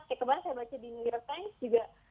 kayak kemarin saya baca di new york times juga